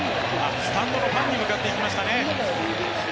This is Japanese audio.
スタンドのファンに向かっていきましたね。